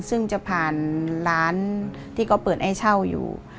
ซึ่งจะผ่านร้านที่เขาเปิดให้เช่าอยู่